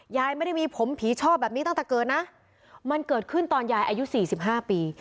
ยายไม่ได้มีผมผีชอบแบบนี้ตั้งแต่เกิดนะมันเกิดขึ้นตอนยายอายุสี่สิบห้าปี